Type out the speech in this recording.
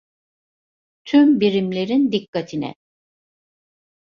Tüm birimlerin dikkatine.